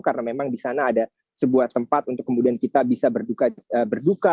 karena memang di sana ada sebuah tempat untuk kemudian kita bisa berduka